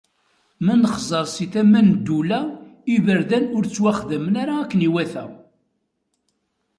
Ma nexẓer si tama n ddula, iberdan ur ttwaxedmen ara akken iwata.